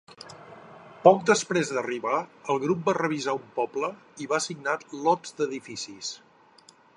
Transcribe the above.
Poc després d'arribar, el grup va revisar un poble i va assignar lots d'edificis.